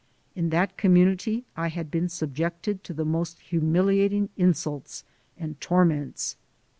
In that community I had been subjected to the most humiliating insults and torments.